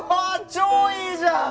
超いいじゃん！